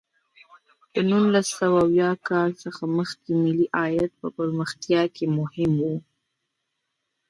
د نولس سوه اویا کال څخه مخکې ملي عاید په پرمختیا کې مهم و.